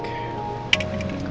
sambil nunggu dulu